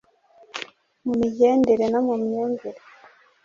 mu migendere no mu myumvire,